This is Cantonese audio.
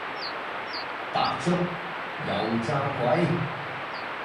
白粥油炸鬼